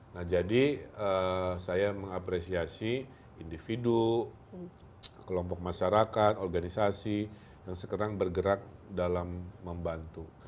nah jadi saya mengapresiasi individu kelompok masyarakat organisasi yang sekarang bergerak dalam membantu